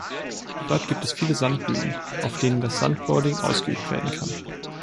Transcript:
Dort gibt es viele Sanddünen, auf denen das Sandboarding ausgeübt werden kann.